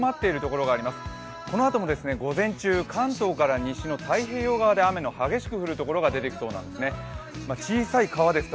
このあとも午前中、関東から西の太平洋側で雨が激しく降るところが出てきそうです。